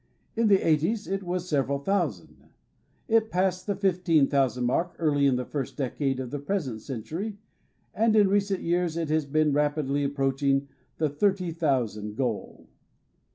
In the 'eighties it was several thousand. It passed the fifteen thousand mark early in the first decade of the present century, and in recent years it has been rapidly ap proaching the thirty thousand goal.